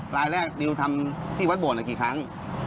รายแรกนิวทำที่วัดโบสถกี่ครั้ง